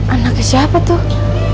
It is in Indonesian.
anaknya siapa tuh